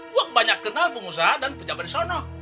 gua banyak kenal pengusaha dan pejabat disana